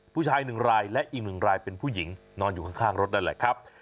ผู้ชาย๑รายและอีกหนึ่งรายเป็นผู้หญิงนอนอยู่ข้างรถนั่นแหละครับ